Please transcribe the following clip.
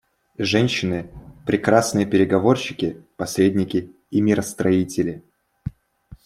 Женщины — прекрасные переговорщики, посредники и миростроители.